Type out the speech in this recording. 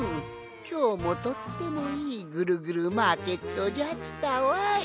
きょうもとってもいいぐるぐるマーケットじゃったわい。